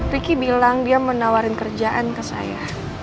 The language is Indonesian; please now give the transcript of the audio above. riki bilang dia menawarin kerjaan ke saya